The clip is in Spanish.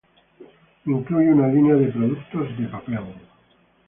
Incluye una línea de productos de papel.